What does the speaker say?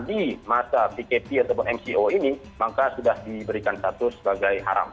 di masa pkp ataupun mco ini maka sudah diberikan status sebagai haram